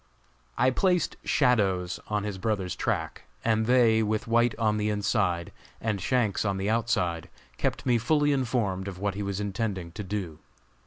I placed "shadows" on his brother's track, and they, with White on the inside, and Shanks on the outside, kept me fully informed of what he was intending to do.